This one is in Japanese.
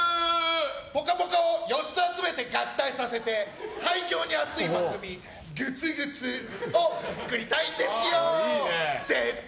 「ぽかぽか」を４つ集めて合体させて最強に熱い番組「ぐつぐつ」を作りたいんですよ！